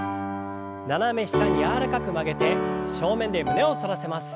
斜め下に柔らかく曲げて正面で胸を反らせます。